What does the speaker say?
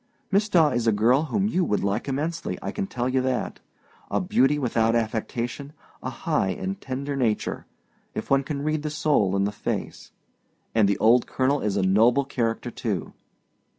Miss Daw is a girl whom you would like immensely, I can tell you that. A beauty without affectation, a high and tender nature if one can read the soul in the face. And the old colonel is a noble character, too.